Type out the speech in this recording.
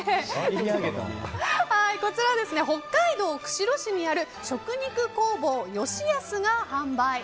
こちらは、北海道釧路市にある食肉工房よしやすが販売。